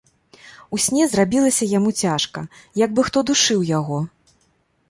У сне зрабілася яму цяжка, як бы хто душыў яго.